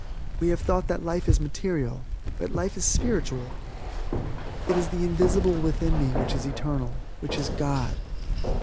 We have thought that life is material; but life is spiritual, it is the invisible within me which is eternal, which is God.